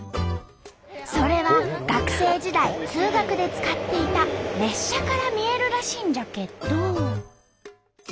それは学生時代通学で使っていた列車から見えるらしいんじゃけど。